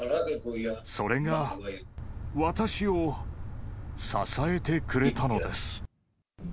それが私を支えてくれたのです。